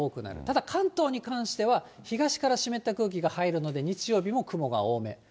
ただ関東に関しては、東から湿った空気が入るので、日曜日も雲が多め。